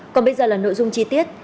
còn bây giờ là nội dung chi tiết